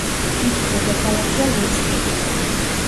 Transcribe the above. მისი დედაქალაქია ლუცკი.